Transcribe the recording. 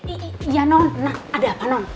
iya non ada apa non